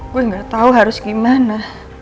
gue gatau harus gimana